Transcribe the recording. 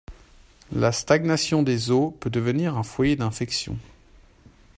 La stagnation des eaux peut devenir un foyer d'infection.